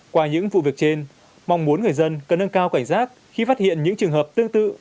qua những vụ việc trên mong muốn người dân cần nâng cao cảnh giác khi phát hiện những trường hợp tương tự